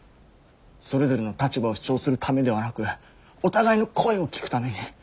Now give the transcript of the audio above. それぞれの立場を主張するためではなくお互いの声を聞くために。